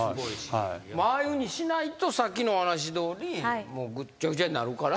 ああいうふうにしないとさっきのお話どおりぐっちゃぐちゃになるから。